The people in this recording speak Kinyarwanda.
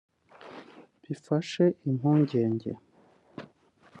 bifashe impungenge